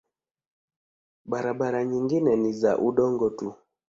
Barabara nyingine ni za udongo tu.